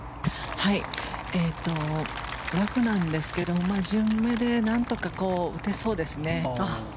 ラフなんですけれども順目で何とか打てそうですね。